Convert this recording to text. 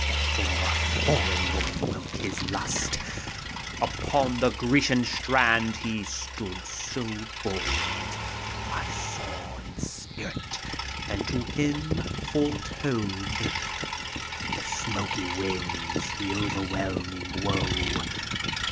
Before a foreign woman woke his lust I Upon the Grecian strand he stood so bold ; I saw in spirit, and to him foretold The smoky winds, the overwhelming woe.